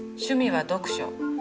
趣味は読書。